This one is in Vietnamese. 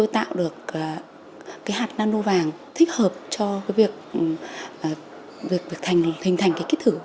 tạo được cái hạt nano vàng thích hợp cho việc hình thành cái kích thử